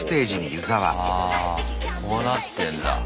あこうなってんだ。